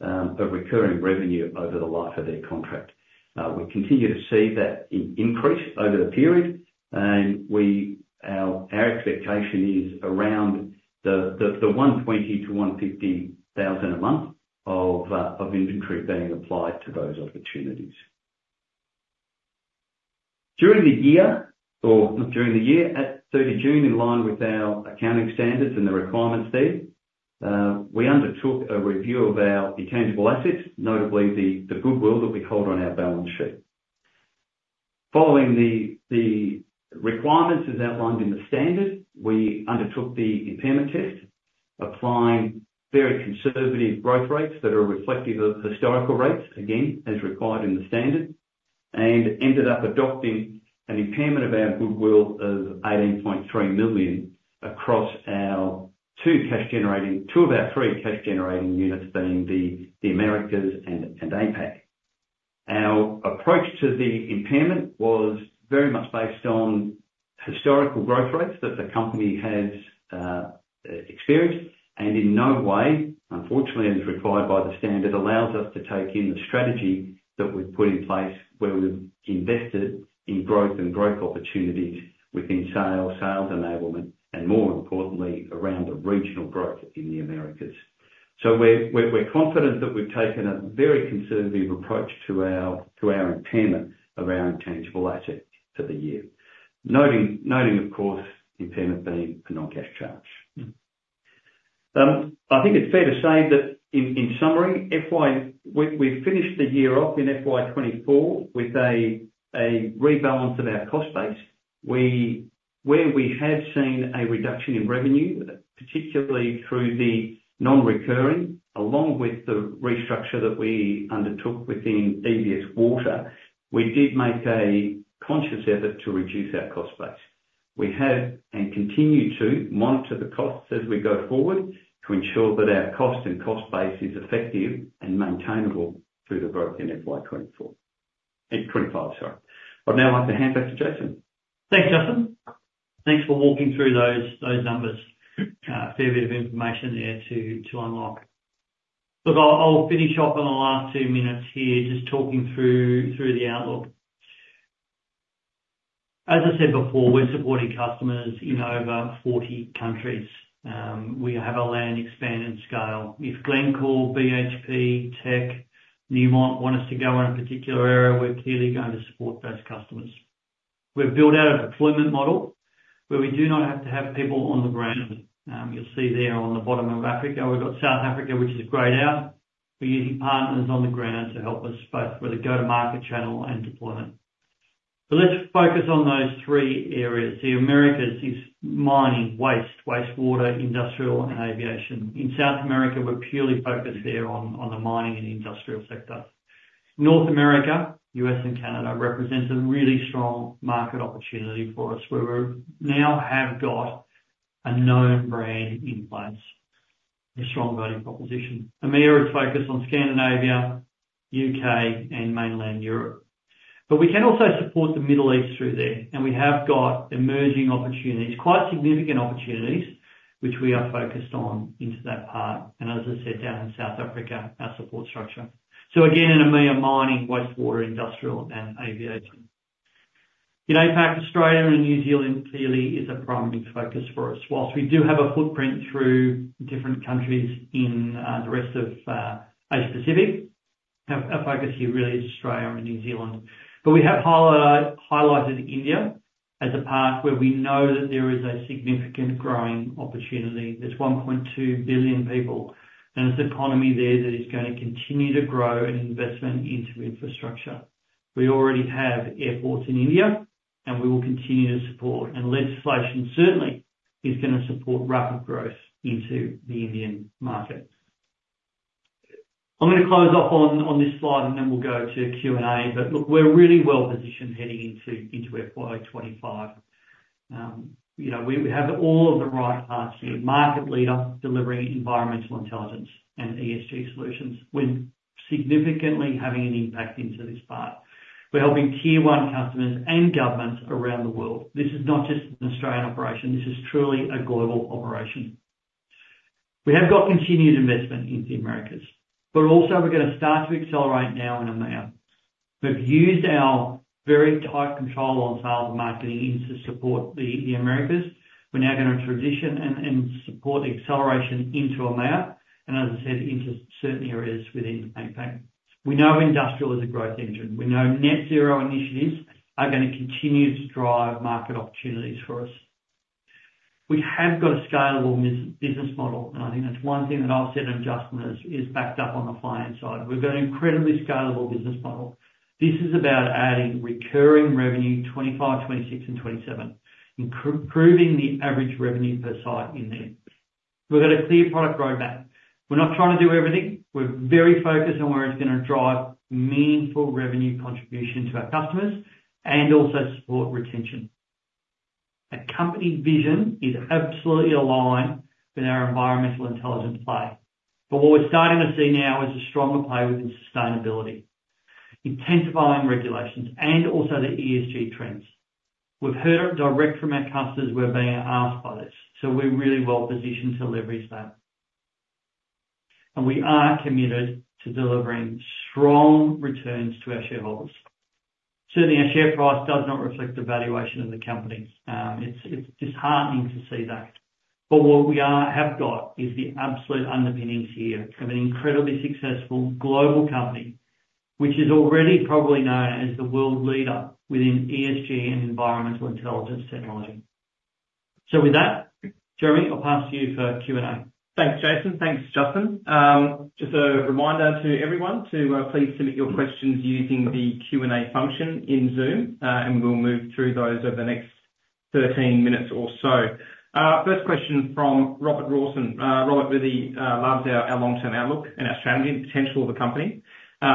of recurring revenue over the life of their contract. We continue to see that increase over the period, and our expectation is around the 120,000-150,000 a month of inventory being applied to those opportunities. During the year, or not during the year, at 30 June, in line with our accounting standards and the requirements there, we undertook a review of our intangible assets, notably the goodwill that we hold on our balance sheet. Following the requirements, as outlined in the standard, we undertook the impairment test, applying very conservative growth rates that are reflective of historical rates, again, as required in the standard, and ended up adopting an impairment of our goodwill of 18.3 million across two of our three cash-generating units, being the Americas and APAC. Our approach to the impairment was very much based on historical growth rates that the company has experienced, and in no way, unfortunately, as required by the standard, allows us to take in the strategy that we've put in place, where we've invested in growth and growth opportunities within sales, sales enablement, and more importantly, around the regional growth in the Americas. So we're confident that we've taken a very conservative approach to our impairment of our intangible asset for the year. Noting, of course, impairment being a non-cash charge. I think it's fair to say that in summary, FY 2024 we've finished the year off in FY 2024 with a rebalance of our cost base. Where we have seen a reduction in revenue, particularly through the non-recurring, along with the restructure that we undertook within EVS Water, we did make a conscious effort to reduce our cost base. We have, and continue to, monitor the costs as we go forward to ensure that our cost and cost base is effective and maintainable through the growth in FY 2024, twenty-five, sorry. I'd now like to hand back to Jason. Thanks, Justin. Thanks for walking through those numbers. Fair bit of information there to unlock. Look, I'll finish off in the last two minutes here, just talking through the outlook. As I said before, we're supporting customers in over forty countries. We have a land expansion scale. If Glencore, BHP, Teck, Newmont want us to go in a particular area, we're clearly going to support those customers. We've built out a deployment model where we do not have to have people on the ground. You'll see there on the bottom of Africa, we've got South Africa, which is grayed out.... We're using partners on the ground to help us both with the go-to-market channel and deployment. So let's focus on those three areas. The Americas is mining, waste, wastewater, industrial, and aviation. In South America, we're purely focused there on the mining and industrial sector. North America, U.S. and Canada, represents a really strong market opportunity for us, where we now have got a known brand in place, a strong value proposition. EMEA is focused on Scandinavia, U.K., and mainland Europe, but we can also support the Middle East through there, and we have got emerging opportunities, quite significant opportunities, which we are focused on into that part, and as I said, down in South Africa, our support structure. Again, in EMEA, mining, wastewater, industrial, and aviation. In APAC, Australia and New Zealand clearly is a primary focus for us. While we do have a footprint through different countries in the rest of Asia Pacific, our focus here really is Australia and New Zealand. But we have highlighted India as a part where we know that there is a significant growing opportunity. There's 1.2 billion people, and there's an economy there that is gonna continue to grow in investment into infrastructure. We already have airports in India, and we will continue to support, and legislation certainly is gonna support rapid growth into the Indian market. I'm gonna close off on this slide, and then we'll go to Q&A. But look, we're really well positioned heading into FY 2025. You know, we have all of the right parts here: market leader, delivering environmental intelligence and ESG solutions. We're significantly having an impact into this part. We're helping tier one customers and governments around the world. This is not just an Australian operation, this is truly a global operation. We have got continued investment in the Americas, but also we're gonna start to accelerate now in EMEA. We've used our very tight control on sales and marketing into support the Americas. We're now gonna transition and support the acceleration into EMEA, and as I said, into certain areas within APAC. We know industrial is a growth engine. We know net zero initiatives are gonna continue to drive market opportunities for us. We have got a scalable business model, and I think that's one thing that I've said, and Justin has, is backed up on the finance side. We've got an incredibly scalable business model. This is about adding recurring revenue, twenty-five, twenty-six and twenty-seven, improving the average revenue per site in there. We've got a clear product roadmap. We're not trying to do everything. We're very focused on where it's gonna drive meaningful revenue contribution to our customers and also support retention. Our company vision is absolutely aligned with our environmental intelligence play, but what we're starting to see now is a stronger play within sustainability, intensifying regulations, and also the ESG trends. We've heard it direct from our customers, we're being asked by this, so we're really well positioned to leverage that. And we are committed to delivering strong returns to our shareholders. Certainly, our share price does not reflect the valuation of the company. It's disheartening to see that, but what we have got is the absolute underpinnings here of an incredibly successful global company, which is already probably known as the world leader within ESG and environmental intelligence technology. So with that, Jeremy, I'll pass to you for Q&A. Thanks, Jason. Thanks, Justin. Just a reminder to everyone to please submit your questions using the Q&A function in Zoom, and we'll move through those over the next thirteen minutes or so. First question from Robert Rawson. Robert really loves our long-term outlook and our strategy and potential of the company.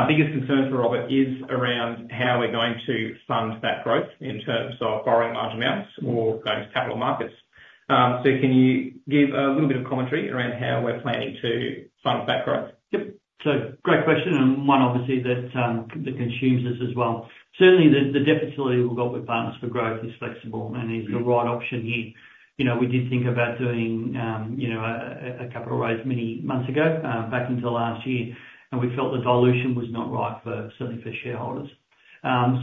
Biggest concern for Robert is around how we're going to fund that growth in terms of borrowing large amounts or going to capital markets. So can you give a little bit of commentary around how we're planning to fund that growth? Yep. So great question, and one obviously that that consumes us as well. Certainly, the debt facility we've got with Partners for Growth is flexible and is the right option here. You know, we did think about doing, you know, a capital raise many months ago, back into last year, and we felt the dilution was not right for, certainly for shareholders.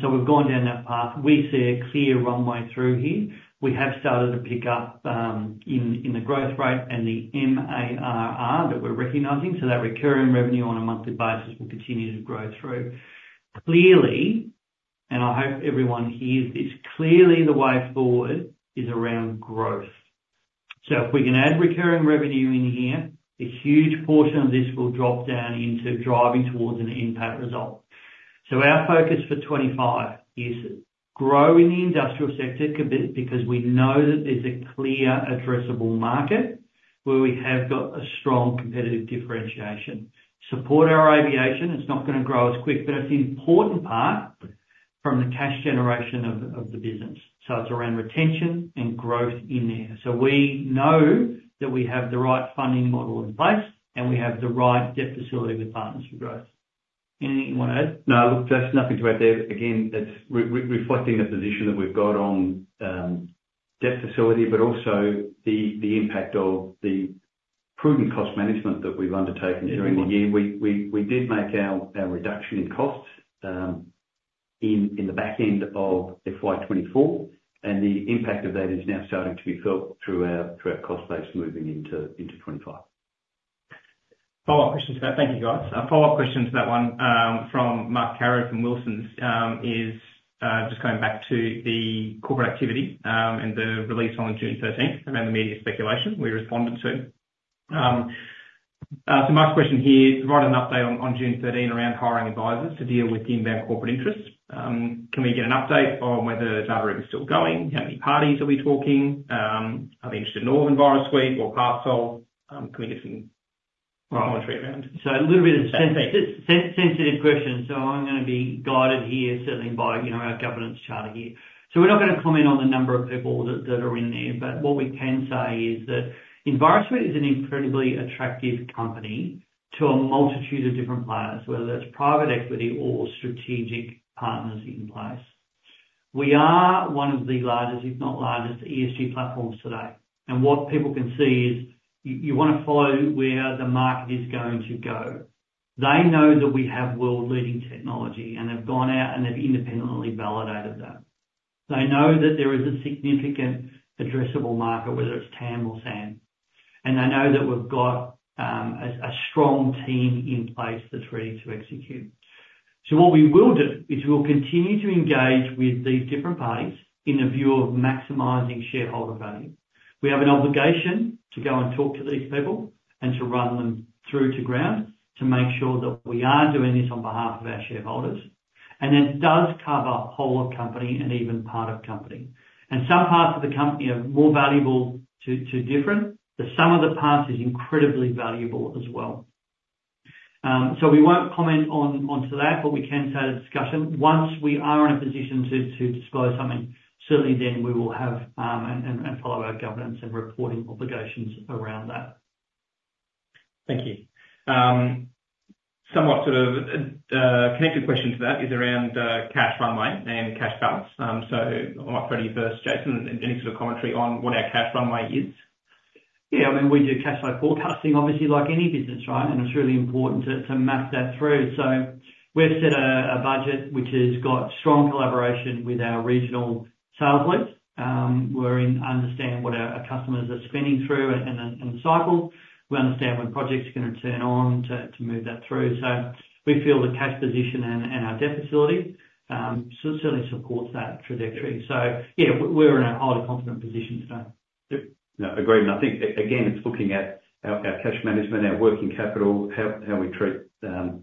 So we've gone down that path. We see a clear runway through here. We have started to pick up in the growth rate and the MRR that we're recognizing, so that recurring revenue on a monthly basis will continue to grow through. Clearly, and I hope everyone hears this, clearly, the way forward is around growth. So if we can add recurring revenue in here, a huge portion of this will drop down into driving towards an impact result. So our focus for '25 is growing the industrial sector because we know that there's a clear addressable market, where we have got a strong competitive differentiation. Support our aviation. It's not gonna grow as quick, but it's an important part of the cash generation of the business, so it's around retention and growth in there. So we know that we have the right funding model in place, and we have the right debt facility with Partners for Growth. Anything you want to add? No. Look, Jason, nothing to add there. Again, it's reflecting the position that we've got on debt facility, but also the impact of the prudent cost management that we've undertaken- Yeah. During the year, we did make our reduction in costs in the back end of FY 2024, and the impact of that is now starting to be felt through our cost base moving into 2025. Follow-up question to that. Thank you, guys. A follow-up question to that one, from Mark Carroll from Wilsons, is just going back to the corporate activity, and the release on June thirteenth, around the media speculation we responded to. So my question here is, provide an update on, on June thirteen around hiring advisors to deal with the inbound corporate interest. Can we get an update on whether that route is still going? How many parties are we talking? Are they interested in all Envirosuite or partial? Can we get some clarity around? So a little bit of sensitive question, so I'm gonna be guided here certainly by, you know, our governance charter here. So we're not gonna comment on the number of people that are in there, but what we can say is that Envirosuite is an incredibly attractive company to a multitude of different players, whether that's private equity or strategic partners in place. We are one of the largest, if not largest, ESG platforms today, and what people can see is, you wanna follow where the market is going to go. They know that we have world-leading technology, and they've gone out and they've independently validated that. They know that there is a significant addressable market, whether it's TAM or SAM, and they know that we've got a strong team in place that's ready to execute. So what we will do is we'll continue to engage with these different parties in the view of maximizing shareholder value. We have an obligation to go and talk to these people and to run them to ground, to make sure that we are doing this on behalf of our shareholders, and that does cover whole of company and even part of company. And some parts of the company are more valuable to different, but some of the parts is incredibly valuable as well. So we won't comment on that, but we can have a discussion. Once we are in a position to disclose something, certainly then we will have and follow our governance and reporting obligations around that. Thank you. Somewhat of a connected question to that is around cash runway and cash balance, so I'll offer you first, Jason, any sort of commentary on what our cash runway is? Yeah, I mean, we do cash flow forecasting, obviously, like any business, right?, and it's really important to map that through, so we've set a budget which has got strong collaboration with our regional sales leads. We understand what our customers are spending through in a cycle. We understand when projects are gonna turn on to move that through, so we feel the cash position and our debt facility certainly supports that trajectory, so yeah, we're in a highly confident position today. Yep. No, agreed. And I think again, it's looking at our cash management, our working capital, how we treat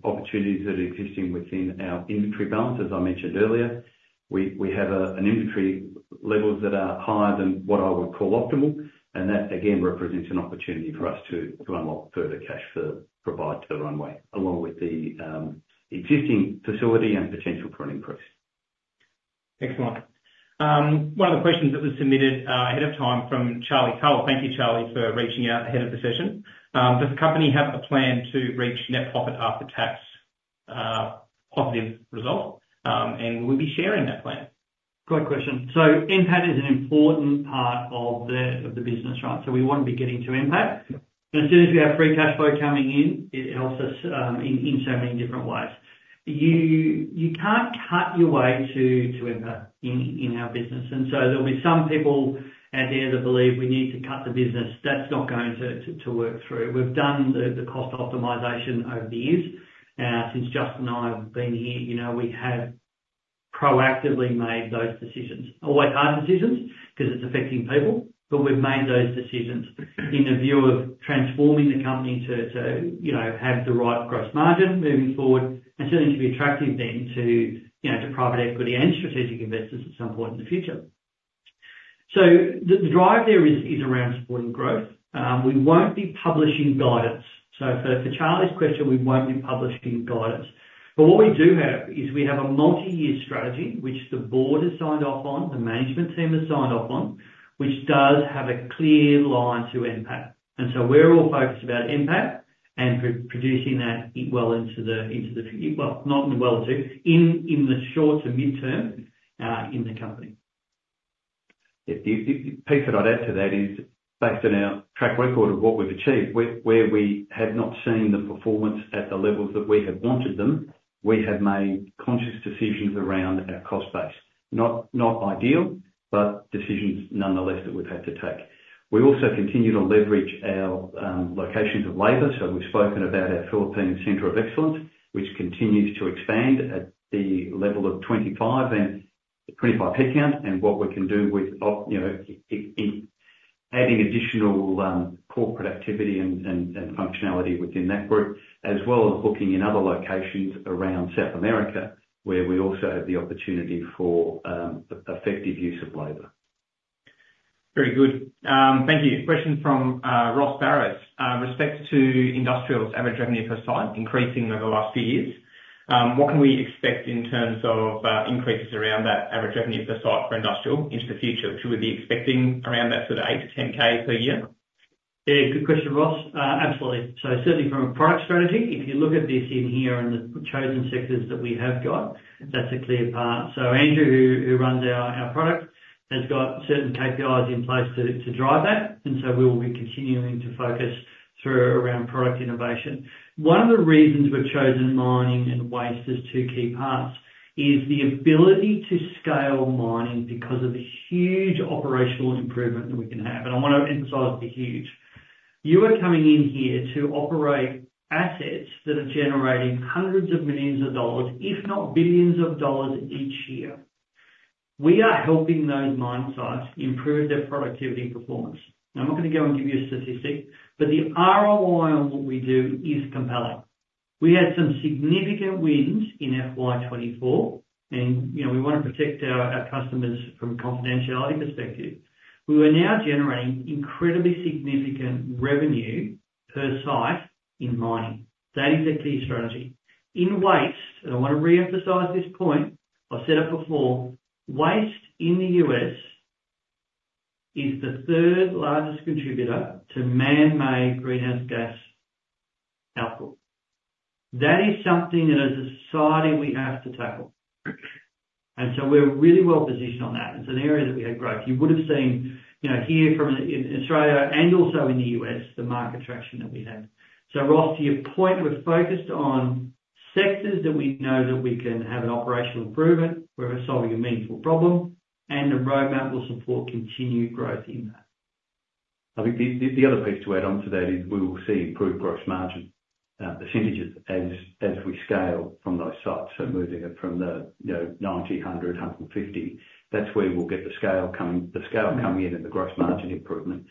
opportunities that are existing within our inventory balance. As I mentioned earlier, we have an inventory levels that are higher than what I would call optimal, and that again represents an opportunity for us to unlock further cash to provide to the runway, along with the existing facility and potential for an increase. Excellent. One of the questions that was submitted ahead of time from Charlie Tull. Thank you, Charlie, for reaching out ahead of the session. Does the company have a plan to reach net profit after tax positive result, and will we be sharing that plan? Great question, so NPAT is an important part of the business, right, so we want to be getting to NPAT. Yep. And as soon as we have free cash flow coming in, it helps us in so many different ways. You can't cut your way to NPAT in our business, and so there'll be some people out there that believe we need to cut the business. That's not going to work through. We've done the cost optimization over the years since Justin and I have been here, you know, we have proactively made those decisions. Always hard decisions, 'cause it's affecting people, but we've made those decisions in the view of transforming the company to, you know, have the right gross margin moving forward, and certainly to be attractive then to, you know, to private equity and strategic investors at some point in the future. So the drive there is around supporting growth. We won't be publishing guidance, so for Charlie's question, we won't be publishing guidance, but what we do have is we have a multi-year strategy, which the board has signed off on, the management team has signed off on, which does have a clear line to NPAT, and so we're all focused about NPAT and producing that well into the future, well, not well into, in the short to midterm, in the company. Yeah. The piece that I'd add to that is, based on our track record of what we've achieved, where we have not seen the performance at the levels that we have wanted them, we have made conscious decisions around our cost base. Not ideal, but decisions nonetheless that we've had to take. We also continue to leverage our locations of labor, so we've spoken about our Philippines Center of Excellence, which continues to expand at the level of 25 and a 25 headcount, and what we can do with, you know, adding additional corporate activity and functionality within that group, as well as looking in other locations around South America, where we also have the opportunity for effective use of labor. Very good. Thank you. A question from Ross Barrett. With respect to industrial's average revenue per site increasing over the last few years, what can we expect in terms of increases around that average revenue per site for industrial into the future? Should we be expecting around that sort of 8,000-10,000 per year? Yeah, good question, Ross. Absolutely. So certainly from a product strategy, if you look at this in here in the chosen sectors that we have got, that's a clear path. So Andrew, who runs our product, has got certain KPIs in place to drive that, and so we will be continuing to focus through around product innovation. One of the reasons we've chosen mining and waste as two key parts, is the ability to scale mining because of the huge operational improvement that we can have, and I want to emphasize the huge. You are coming in here to operate assets that are generating hundreds of millions of AUD, if not billions of AUD each year. We are helping those mine sites improve their productivity and performance. Now, I'm not going to go and give you a statistic, but the ROI on what we do is compelling. We had some significant wins in FY twenty-four, and, you know, we want to protect our customers from a confidentiality perspective. We are now generating incredibly significant revenue per site in mining. That is a key strategy. In waste, and I want to reemphasize this point, I've said it before, waste in the U.S. is the third largest contributor to man-made greenhouse gas output. That is something that, as a society, we have to tackle. And so we're really well positioned on that. It's an area that we have growth. You would've seen, you know, here from in Australia and also in the U.S., the market traction that we have. So Ross, to your point, we're focused on sectors that we know that we can have an operational improvement, where we're solving a meaningful problem, and the roadmap will support continued growth in that. I think the other piece to add on to that is we will see improved gross margin percentages as we scale from those sites. So moving it from the, you know, ninety, hundred and fifty, that's where we'll get the scale coming in and the gross margin improvement.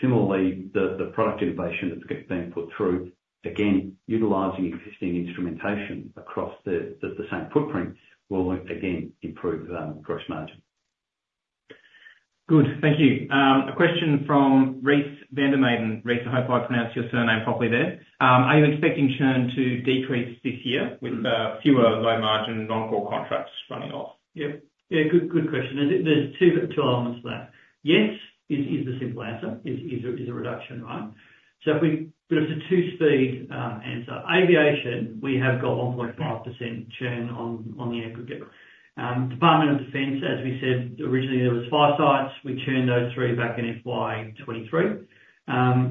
Similarly, the product innovation that's being put through, again, utilizing existing instrumentation across the same footprint, will again improve gross margin. Good. Thank you. A question from Reece Van der meiden. Reese, I hope I pronounced your surname properly there. Are you expecting churn to decrease this year with fewer low-margin non-core contracts running off? Yeah. Yeah, good, good question, and there's two, two elements to that. Yes, the simple answer is a reduction, right? So if we- but it's a two-speed answer. Aviation, we have got 1.5% churn on the aggregate. Department of Defense, as we said originally, there was five sites. We churned those three back in FY 2023.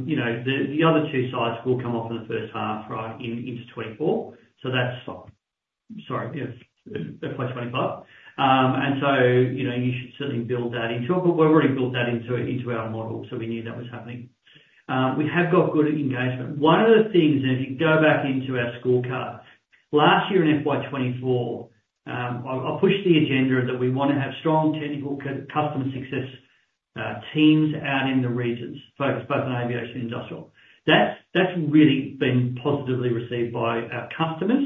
You know, the other two sites will come off in the first half, right, into 2024. So that's... Sorry, yeah, FY 2025. And so, you know, you should certainly build that into it, but we've already built that into our model, so we knew that was happening. We have got good engagement. One of the things, and if you go back into our scorecard, last year in FY24, I pushed the agenda that we want to have strong technical customer success teams out in the regions, focused both on aviation and industrial. That's really been positively received by our customers,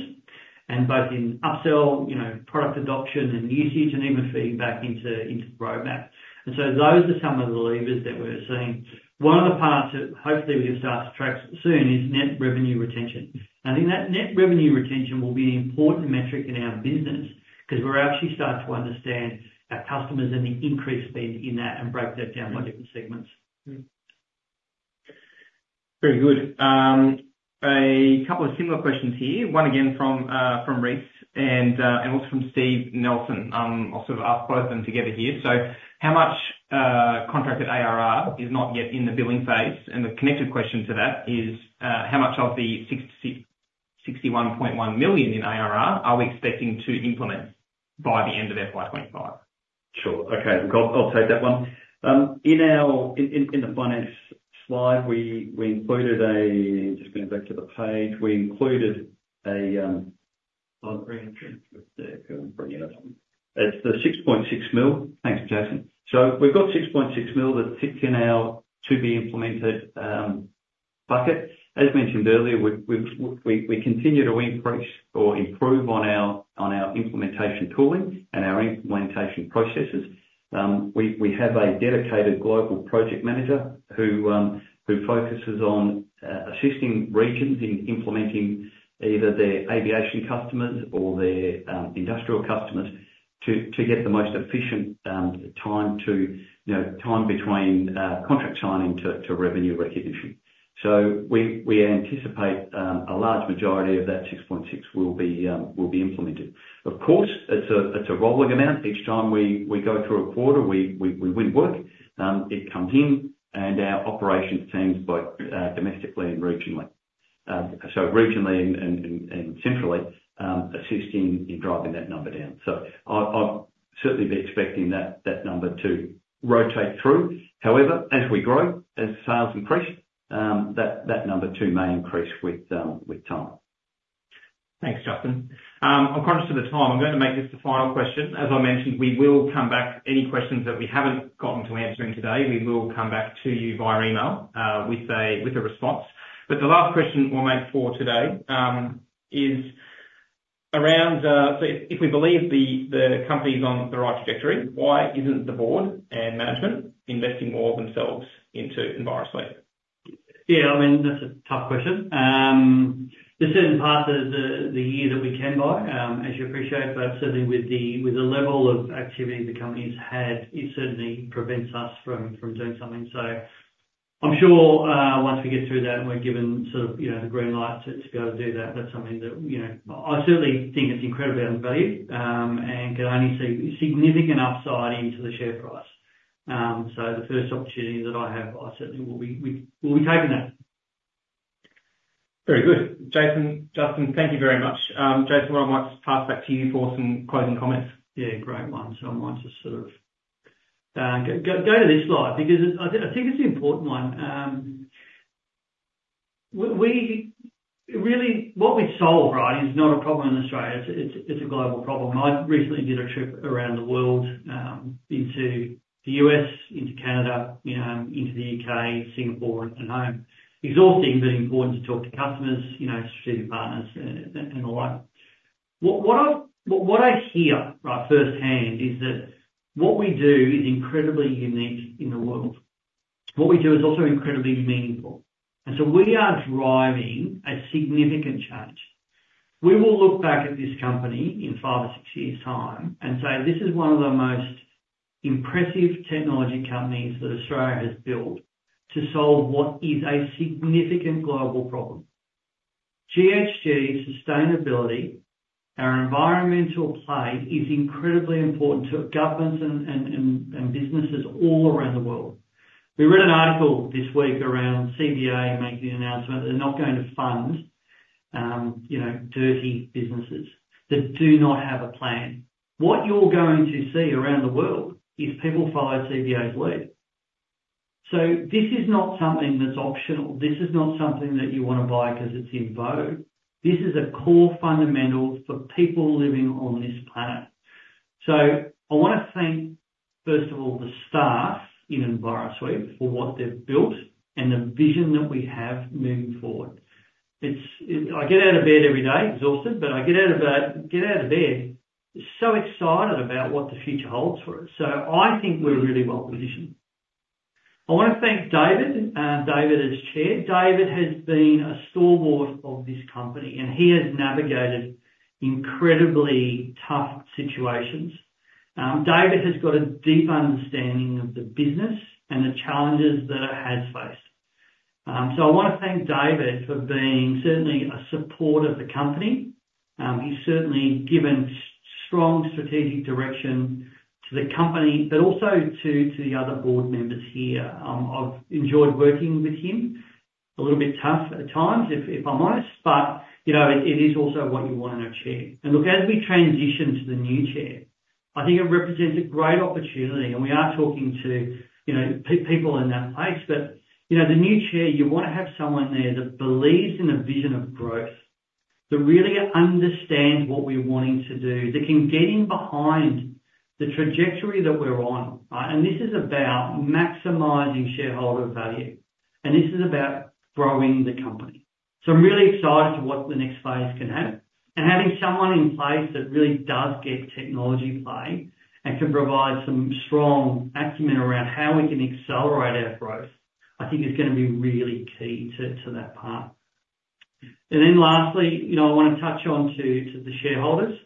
and both in upsell, you know, product adoption and usage, and even feedback into the roadmap, and so those are some of the levers that we're seeing. One of the parts that hopefully we can start to track soon is Net Revenue Retention. I think that Net Revenue Retention will be an important metric in our business, 'cause we're actually starting to understand our customers and the increase spend in that, and break that down by different segments. Very good. A couple of similar questions here. One again from Reese and also from Steve Nelson. I'll sort of ask both of them together here. So how much contracted ARR is not yet in the billing phase? And the connected question to that is, how much of the 61.1 million in ARR are we expecting to implement by the end of FY 2025? Sure. Okay, look, I'll take that one. In the finance slide, we included a. Just going back to the page. We included a. It's the 6.6 million. Thanks, Jason. So we've got 6.6 million that sits in our to-be-implemented bucket. As mentioned earlier, we've continue to increase or improve on our implementation tooling and our implementation processes. We have a dedicated global project manager who focuses on assisting regions in implementing either their aviation customers or their industrial customers, to get the most efficient time to, you know, time between contract signing to revenue recognition. So we anticipate a large majority of that 6.6 million will be implemented. Of course, it's a rolling amount. Each time we go through a quarter, we win work, it comes in, and our operations teams, both domestically and regionally and centrally, assist in driving that number down. So I'll certainly be expecting that number to rotate through. However, as we grow, as sales increase, that number, too, may increase with time. Thanks, Justin. I'm conscious of the time. I'm going to make this the final question. As I mentioned, we will come back. Any questions that we haven't gotten to answering today, we will come back to you via email with a response. But the last question we'll make for today is around so if we believe the company's on the right trajectory, why isn't the board and management investing more of themselves into Envirosuite? Yeah, I mean, that's a tough question. There's certain parts of the year that we can buy, as you'd appreciate, but certainly with the level of activity the company's had, it certainly prevents us from doing something. So I'm sure, once we get through that and we're given sort of, you know, the green light to be able to do that, that's something that, you know... I certainly think it's incredibly undervalued, and can only see significant upside into the share price. So the first opportunity that I have, I certainly will be taking that. Very good. Jason, Justin, thank you very much. Jason, I might just pass back to you for some closing comments. Yeah, great one. So I might just sort of go to this slide because it's, I think it's an important one. We really, what we've solved, right, is not a problem in Australia, it's a global problem. I recently did a trip around the world into the U.S., into Canada, you know, into the U.K., Singapore, and home. Exhausting, but important to talk to customers, you know, strategic partners, and all that. What I hear, right, firsthand, is that what we do is incredibly unique in the world. What we do is also incredibly meaningful, and so we are driving a significant change. We will look back at this company in five or six years' time and say, "This is one of the most impressive technology companies that Australia has built to solve what is a significant global problem." GHG, sustainability, our environmental play is incredibly important to governments and businesses all around the world. We read an article this week around CBA making the announcement they're not going to fund, you know, dirty businesses that do not have a plan. What you're going to see around the world is people follow CBA's lead. So this is not something that's optional, this is not something that you wanna buy because it's in vogue. This is a core fundamental for people living on this planet. So I wanna thank, first of all, the staff in Envirosuite for what they've built and the vision that we have moving forward. I get out of bed every day exhausted, but I get out of bed so excited about what the future holds for us. So I think we're really well positioned. I wanna thank David as chair. David has been a stalwart of this company, and he has navigated incredibly tough situations. David has got a deep understanding of the business and the challenges that it has faced. So I wanna thank David for being certainly a support of the company. He's certainly given strong strategic direction to the company, but also to the other board members here. I've enjoyed working with him. A little bit tough at times, if I'm honest, but you know, it is also what you want in a chair. And look, as we transition to the new chair, I think it represents a great opportunity, and we are talking to, you know, people in that space. But, you know, the new chair, you wanna have someone there that believes in a vision of growth, that really understands what we're wanting to do, that can get in behind the trajectory that we're on, right? And this is about maximizing shareholder value, and this is about growing the company. So I'm really excited to what the next phase can have. And having someone in place that really does get technology play and can provide some strong acumen around how we can accelerate our growth, I think is gonna be really key to that part. And then lastly, you know, I wanna touch on to the shareholders.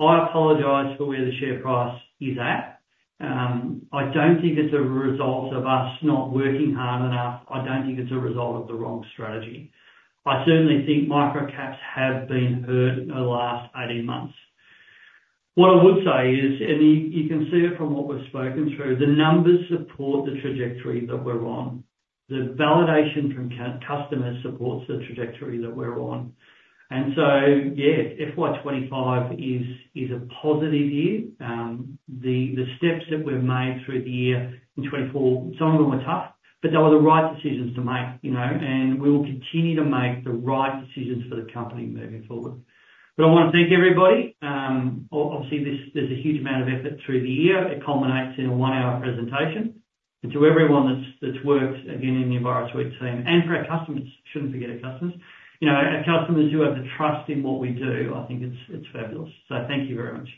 I apologize for where the share price is at. I don't think it's a result of us not working hard enough. I don't think it's a result of the wrong strategy. I certainly think microcaps have been hurt in the last eighteen months. What I would say is, and you, you can see it from what we've spoken through, the numbers support the trajectory that we're on. The validation from customers supports the trajectory that we're on. And so, yeah, FY 2025 is a positive year. The steps that we've made through the year in 2024, some of them were tough, but they were the right decisions to make, you know, and we will continue to make the right decisions for the company moving forward. But I wanna thank everybody. Obviously, this, there's a huge amount of effort through the year. It culminates in a one-hour presentation. And to everyone that's worked, again, in the Envirosuite team and for our customers. Shouldn't forget our customers. You know, our customers who have the trust in what we do. I think it's fabulous. So thank you very much.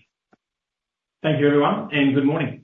Thank you, everyone, and good morning.